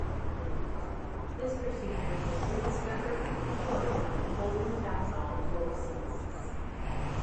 This procedure was rediscovered and employed in the Holton Taxol total synthesis.